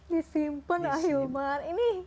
disimpan ah yomar